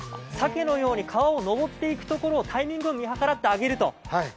しゃけのように川をのぼっていくところをタイミングを見計らって揚げると。